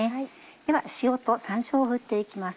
では塩と山椒を振って行きます。